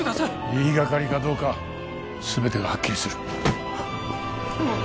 言いがかりかどうか全てがはっきりするあっ